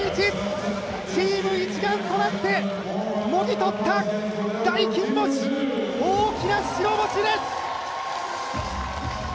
チーム一丸となってもぎ取った大金星、大きな白星です。